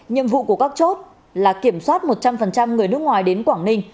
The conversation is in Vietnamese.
nhiệm vụ của các chốt là kiểm soát một trăm linh người nước ngoài đến quảng ninh